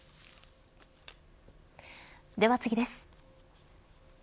では次です。